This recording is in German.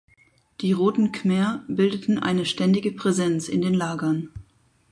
Die Roten Khmer bildeten eine ständige Präsenz in den Lagern.